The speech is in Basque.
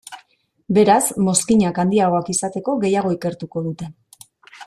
Beraz mozkinak handiagoak izateko, gehiago ikertuko dute.